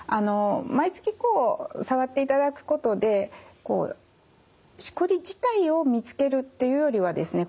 毎月こう触っていただくことでしこり自体を見つけるっていうよりはですね